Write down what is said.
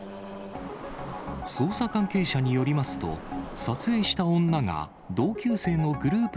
捜査関係者によりますと、撮影した女が同級生のグループ